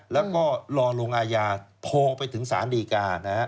แล้วก็รอลงอายาโทไปถึงสารดีกา